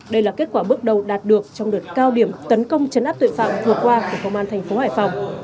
đây là kết quả bước đầu đạt được trong đợt cao điểm tấn công chấn áp tội phạm vừa qua của công an thành phố hải phòng